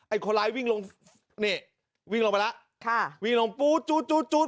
ไอ้โคไลด์วิ่งลงเน่วิ่งลงไปแล้วค่ะวิ่งลงปู๊ดจู๊ดจู๊ดจู๊ด